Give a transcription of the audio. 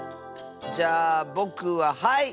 じゃあぼくははい！